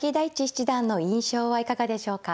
七段の印象はいかがでしょうか。